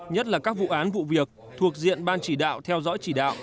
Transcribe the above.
nhất là các vụ án vụ việc thuộc diện ban chỉ đạo theo dõi chỉ đạo